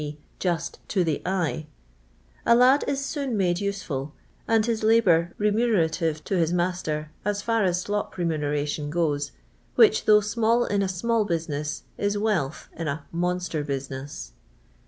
me, "just to the eye), a lad is soon made useful, and bis labour remunerative to his ■ master, as far as slop remuneration goes, which, I though small in a small bubiness, is weitlth in a I "monster business."